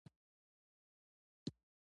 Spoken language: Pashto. د یوې خیټې ډوډۍ په بیه به یې کارونه پرې کول.